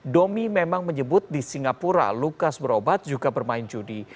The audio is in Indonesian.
domi memang menyebut di singapura lukas berobat juga bermain judi